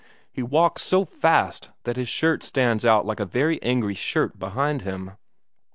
He walks so fast that his shirt stands out like a very angry shirt behind him.